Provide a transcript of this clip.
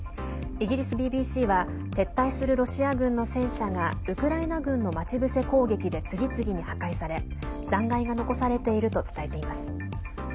イギリスＢＢＣは撤退するロシア軍の戦車がウクライナ軍の待ち伏せ攻撃で次々に破壊され残骸が残されていると伝えています。